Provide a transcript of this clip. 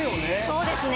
そうですね